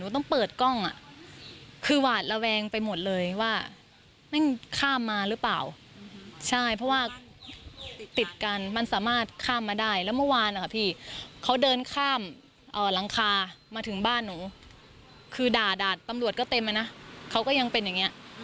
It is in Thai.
เธอทำไหมนะเขาก็ยังเป็นอย่างนี้